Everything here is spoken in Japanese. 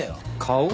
顔？